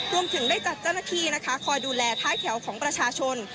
รวมถึงได้จัดเจ้าหน้าที่นะคะคอยดูแลท้ายแถวของประชาชน